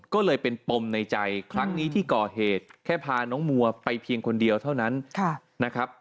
ก็เลยเป็นปมในใจครั้งนี้ที่ก่อเหตุแค่พาน้องมัวไปเพียงคนเดียวเท่านั้นนะครับ